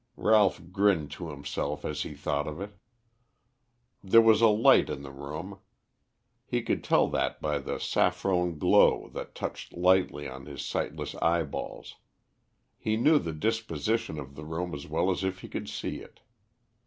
Ralph grinned to himself as he thought of it. There was a light in the room. He could tell that by the saffron glow that touched lightly on his sightless eyeballs. He knew the disposition of the room as well as if he could see it.